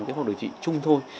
điều trị chung thôi